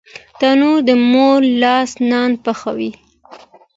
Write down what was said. تنور د مور لاس نان پخوي